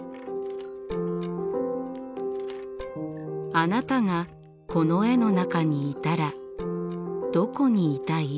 あなたがこの絵の中にいたらどこにいたい？